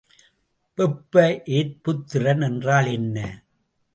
வெப்ப ஏற்புத்திறன் என்றால் என்ன?